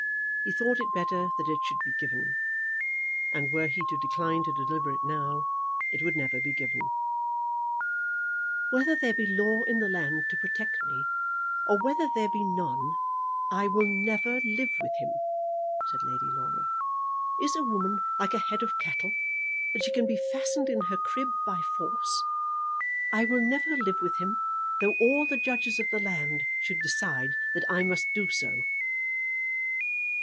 He thought it better that it should be given; and were he to decline to deliver it now, it would never be given. "Whether there be law in the land to protect me or whether there be none, I will never live with him," said Lady Laura. "Is a woman like a head of cattle, that she can be fastened in her crib by force? I will never live with him though all the judges of the land should decide that I must do so."